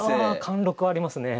貫禄ありますね。